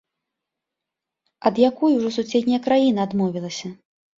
Ад якой ужо суседняя краіна адмовілася?